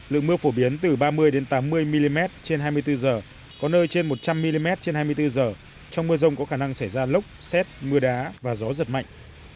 lượng mưa phổ biến từ ba mươi tám mươi mm trên hai mươi bốn h có nơi trên một trăm linh mm trên hai mươi bốn h trong mưa rông có khả năng xảy ra lốc xét mưa đá và gió giật mạnh